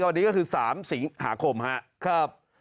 วันนี้ก็คือ๓สิงหาคมครับ